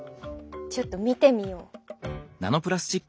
ちょっと見てみよう。